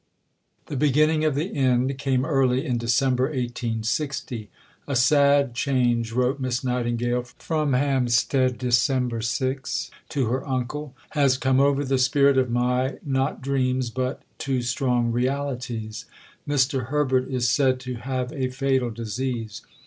The beginning of the end came early in December 1860. "A sad change," wrote Miss Nightingale from Hampstead (Dec. 6) to her uncle, "has come over the spirit of my (not dreams, but) too strong realities. Mr. Herbert is said to have a fatal disease.